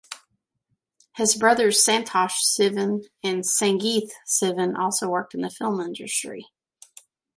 His brothers Santosh Sivan and Sangeeth Sivan also work in the film industry.